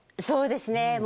そうですね。